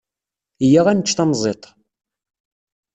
Iyya ad nečč tamẓiḍt.